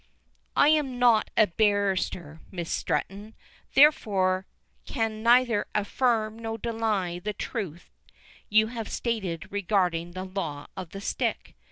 "I am not a barrister, Miss Stretton, therefore can neither affirm nor deny the truth you have stated regarding the law of the stick.